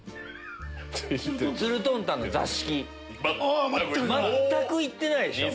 全く行ってないでしょ。